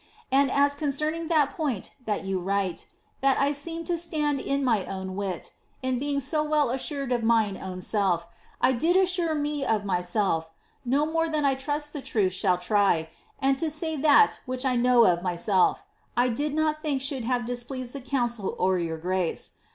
And as concerning that point that you write, that I seem t4> stand in mine own wit, in being so well assured of mine own sell*, I did ■• sure me of myself, no more than I trust the truth shall try ; and to say that which I know of myself, I did not think should have displeased the council or your grace.